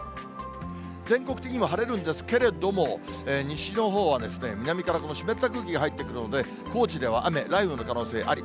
全国的にも晴れるんですけれども、西のほうは南から湿った空気が入ってくるので、高知では雨、雷雨の可能性あり。